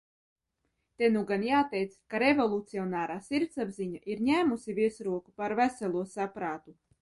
Te nu gan jāteic, ka revolucionārā sirdsapziņa ir ņēmusi virsroku pār veselo saprātu.